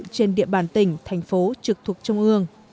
trên địa bàn tỉnh thành phố trực thuộc trung ương